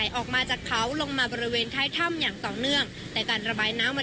นอกจากการสูบน้ำ